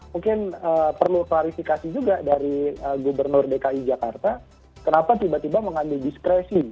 mungkin perlu klarifikasi juga dari gubernur dki jakarta kenapa tiba tiba mengambil diskresi